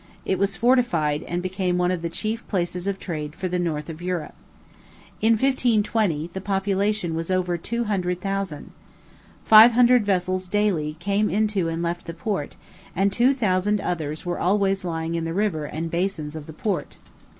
It was fortified, and became one of the chief places of trade for the north of Europe. In 1520, the population was over two hundred thousand. Five hundred vessels daily came into and left the port, and two thousand others were always lying in the river and basins of the port.